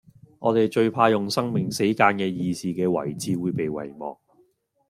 我地最怕用生命死諫既義士既遺志會被遺忘